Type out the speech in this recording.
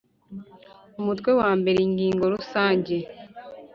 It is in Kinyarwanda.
Umutwe wa mbere ingingo rusange